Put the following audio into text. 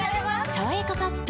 「さわやかパッド」